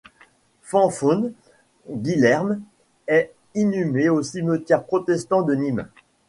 Fanfonne Guillerme est inhumée au cimetière protestant de Nîmes.